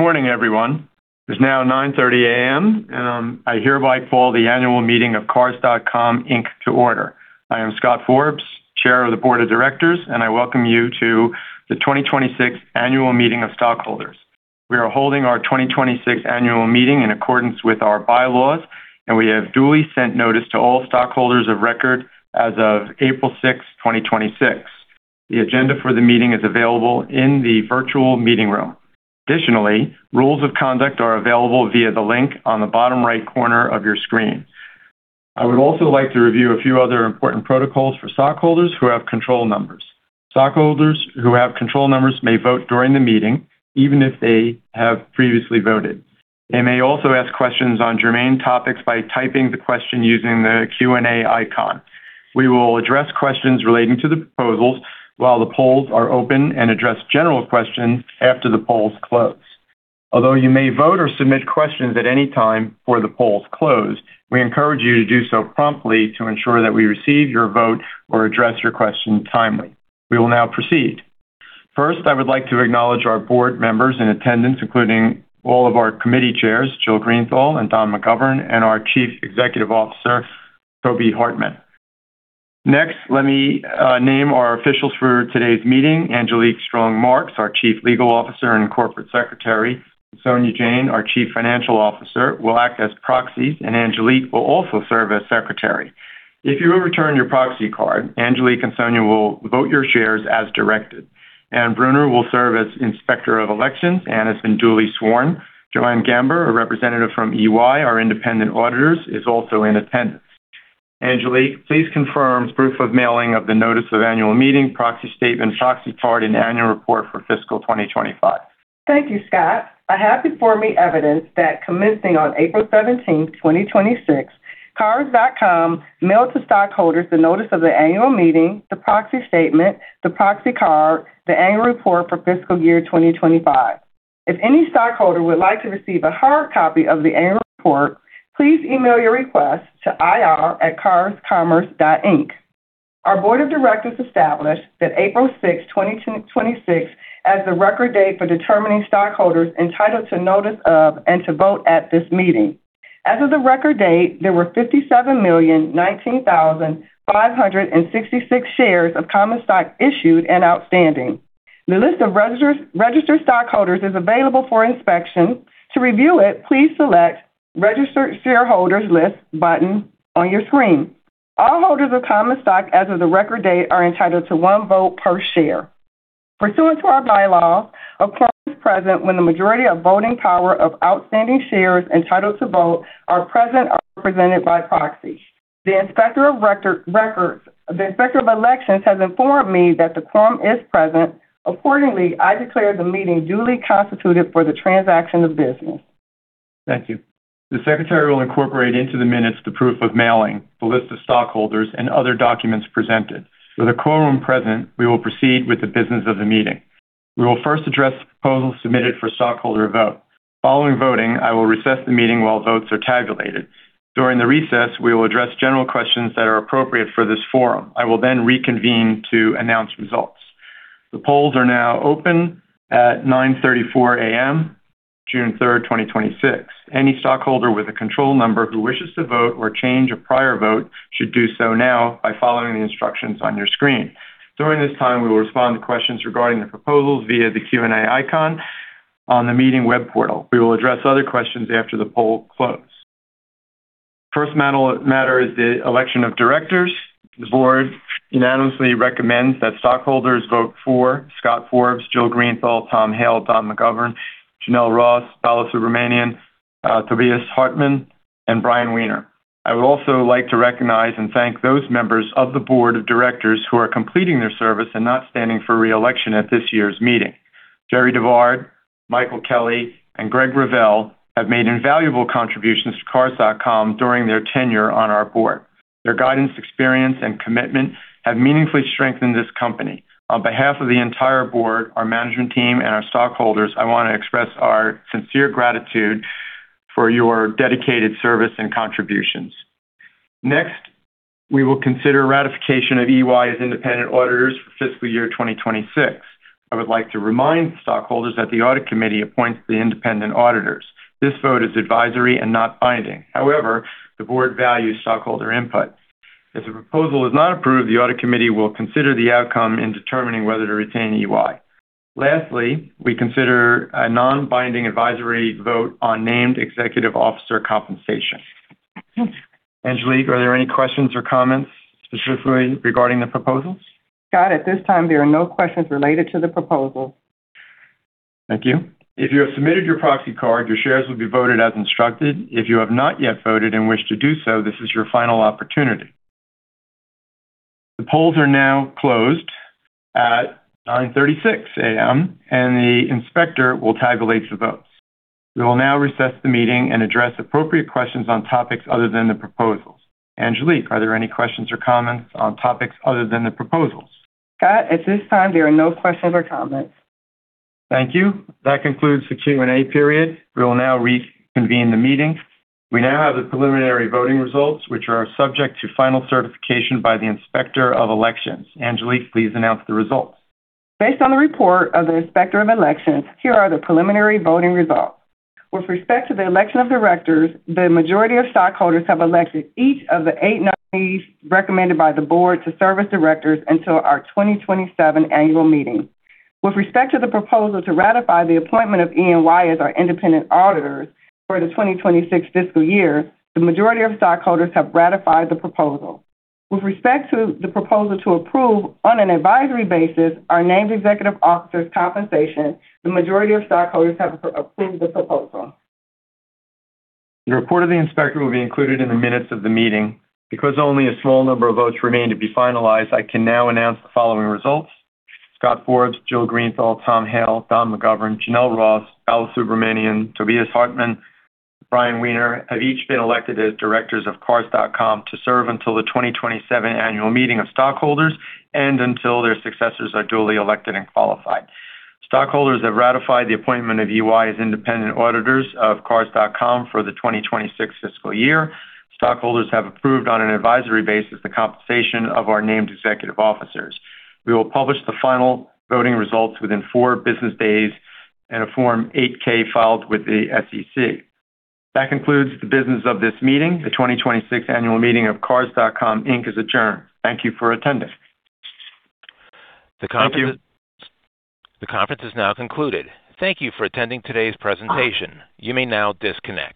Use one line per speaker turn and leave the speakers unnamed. Good morning, everyone. It is now 9:30 A.M., and I hereby call the annual meeting of Cars.com Inc. to order. I am Scott Forbes, chair of the board of directors, and I welcome you to the 2026 annual meeting of stockholders. We are holding our 2026 annual meeting in accordance with our bylaws, and we have duly sent notice to all stockholders of record as of April 6th, 2026. The agenda for the meeting is available in the virtual meeting room. Additionally, rules of conduct are available via the link on the bottom right corner of your screen. I would also like to review a few other important protocols for stockholders who have control numbers. Stockholders who have control numbers may vote during the meeting, even if they have previously voted. They may also ask questions on germane topics by typing the question using the Q&A icon. We will address questions relating to the proposals while the polls are open and address general questions after the polls close. Although you may vote or submit questions at any time before the polls close, we encourage you to do so promptly to ensure that we receive your vote or address your question timely. We will now proceed. First, I would like to acknowledge our board members in attendance, including all of our committee chairs, Jill Greenthal and Don McGovern, and our Chief Executive Officer, Tobi Hartmann. Let me name our officials for today's meeting. Angelique Strong Marks, our Chief Legal Officer and Corporate Secretary, and Sonia Jain, our Chief Financial Officer, will act as proxies, and Angelique will also serve as secretary. If you have returned your proxy card, Angelique and Sonia will vote your shares as directed. And [Brunner] will serve as Inspector of Elections and has been duly sworn. Joanne Gamber, a representative from EY, our independent auditors, is also in attendance. Angelique, please confirm proof of mailing of the notice of annual meeting, proxy statement, proxy card, and annual report for fiscal 2025.
Thank you, Scott. I have before me evidence that commencing on April 17th, 2026, Cars.com mailed to stockholders the notice of the annual meeting, the proxy statement, the proxy card, the annual report for fiscal year 2025. Any stockholder would like to receive a hard copy of the annual report, please email your request to ir@carscommerce.inc. Our board of directors established that April 6th, 2026 as the record date for determining stockholders entitled to notice of and to vote at this meeting. As of the record date, there were 57,019,566 shares of common stock issued and outstanding. The list of registered stockholders is available for inspection. To review it, please select Registered Shareholders List button on your screen. All holders of common stock as of the record date are entitled to one vote per share. Pursuant to our bylaws, a quorum is present when the majority of voting power of outstanding shares entitled to vote are present or represented by proxy. The Inspector of Elections has informed me that the quorum is present. Accordingly, I declare the meeting duly constituted for the transaction of business.
Thank you. The secretary will incorporate into the minutes the proof of mailing, the list of stockholders, and other documents presented. With a quorum present, we will proceed with the business of the meeting. We will first address proposals submitted for stockholder vote. Following voting, I will recess the meeting while votes are tabulated. During the recess, we will address general questions that are appropriate for this forum. I will reconvene to announce results. The polls are now open at 9:34 A.M., June 3rd, 2026. Any stockholder with a control number who wishes to vote or change a prior vote should do so now by following the instructions on your screen. During this time, we will respond to questions regarding the proposals via the Q&A icon on the meeting web portal. We will address other questions after the poll close. First matter is the election of directors. The Board unanimously recommends that stockholders vote for Scott Forbes, Jill Greenthal, Tom Hale, Don McGovern, Jenell Ross, Bala Subramanian, Tobias Hartmann, and Bryan Wiener. I would also like to recognize and thank those members of the Board of Directors who are completing their service and not standing for re-election at this year's meeting. Jerri DeVard, Michael Kelly, and Greg Revelle have made invaluable contributions to Cars.com during their tenure on our Board. Their guidance, experience, and commitment have meaningfully strengthened this company. On behalf of the entire Board, our management team, and our stockholders, I want to express our sincere gratitude for your dedicated service and contributions. Next, we will consider ratification of EY as independent auditors for fiscal year 2026. I would like to remind stockholders that the Audit Committee appoints the independent auditors. This vote is advisory and not binding. However, the Board values stockholder input. If the proposal is not approved, the audit committee will consider the outcome in determining whether to retain EY. Lastly, we consider a non-binding advisory vote on named executive officer compensation. Angelique, are there any questions or comments specifically regarding the proposals?
Scott, at this time, there are no questions related to the proposal.
Thank you. If you have submitted your proxy card, your shares will be voted as instructed. If you have not yet voted and wish to do so, this is your final opportunity. The polls are now closed at 9:36 A.M., and the inspector will tabulate the votes. We will now recess the meeting and address appropriate questions on topics other than the proposals. Angelique, are there any questions or comments on topics other than the proposals?
Scott, at this time, there are no questions or comments.
Thank you. That concludes the Q&A period. We will now reconvene the meeting. We now have the preliminary voting results, which are subject to final certification by the Inspector of Elections. Angelique, please announce the results.
Based on the report of the Inspector of Elections, here are the preliminary voting results. With respect to the election of directors, the majority of stockholders have elected each of the eight nominees recommended by the board to serve as directors until our 2027 annual meeting. With respect to the proposal to ratify the appointment of E & Y as our independent auditors for the 2026 fiscal year, the majority of stockholders have ratified the proposal. With respect to the proposal to approve on an advisory basis our named executive officers' compensation, the majority of stockholders have approved the proposal.
The report of the inspector will be included in the minutes of the meeting. Because only a small number of votes remain to be finalized, I can now announce the following results. Scott Forbes, Jill Greenthal, Tom Hale, Don McGovern, Jenell Ross, Bala Subramanian, Tobias Hartmann, Bryan Wiener have each been elected as directors of Cars.com to serve until the 2027 annual meeting of stockholders and until their successors are duly elected and qualified. Stockholders have ratified the appointment of EY as independent auditors of Cars.com for the 2026 fiscal year. Stockholders have approved on an advisory basis the compensation of our named executive officers. We will publish the final voting results within four business days in a Form 8-K filed with the SEC. That concludes the business of this meeting. The 2026 annual meeting of Cars.com Inc. is adjourned. Thank you for attending.
The conference is now concluded. Thank you for attending today's presentation. You may now disconnect.